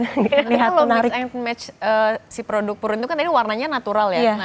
tapi kalau mix and match si produk purun itu kan tadi warnanya natural ya